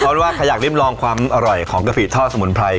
เพราะว่าใครอยากริมลองความอร่อยของกะปิทอดสมุนไพร